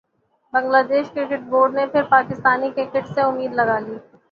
بنگلہ دیش cricket board نے پھر پاکستانی کرکٹرز سے امید لگا لی